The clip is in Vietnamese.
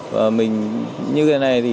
và mình như thế này